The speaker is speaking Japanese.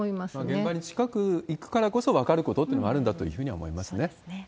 現場に近く行くからこそ、分かることというのもあるんだといそうですね。